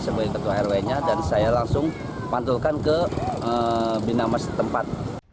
sebuah petua rw nya dan saya langsung pantulkan ke binama setempat